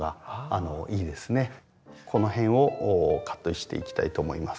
この辺をカットしていきたいと思います。